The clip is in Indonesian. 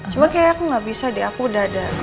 cuma kayaknya aku gak bisa deh aku udah ada